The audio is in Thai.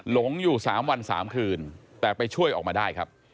หลงอยู่๓วัน๓คืนแต่ไปช่วยออกมาได้ครับ